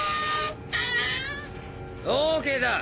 ＯＫだ。